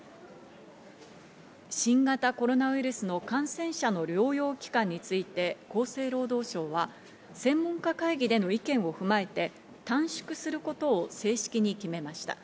新型コロナウイルスの感染者の療養期間について、厚生労働省は専門家会議での意見を踏まえて、短縮することを正式に決めました。